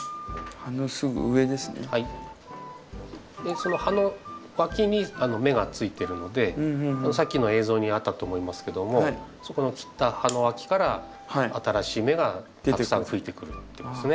その葉のわきに芽がついてるのでさっきの映像にあったと思いますけどもそこの切った葉のわきから新しい芽がたくさん吹いてくるっていうことですね。